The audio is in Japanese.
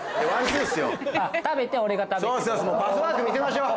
パスワーク見せましょう。